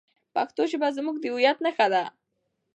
پښتو ژبه زموږ د هویت نښه ده.